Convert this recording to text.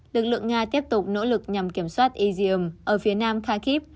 lực lượng nga tiếp tục nỗ lực nhằm kiểm soát izium ở phía nam kharkiv